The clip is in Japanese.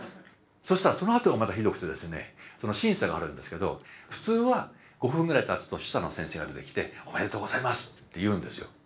そしたらそのあとがまたひどくてですねその審査があるんですけど普通は５分ぐらいたつと主査の先生が出てきて「おめでとうございます」って言うんですよ。